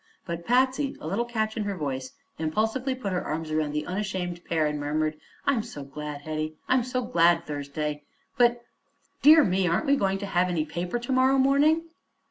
But Patsy, a little catch in her voice, impulsively put her arms around the unashamed pair and murmured: "I'm so glad, Hetty! I'm so glad, Thursday! But dear me aren't we going to have any paper to morrow morning?"